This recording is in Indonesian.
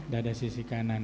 dada sisi kanan